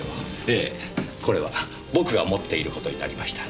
ええこれは僕が持っていることになりました。